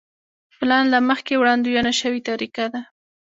پلان له مخکې وړاندوينه شوې طریقه ده.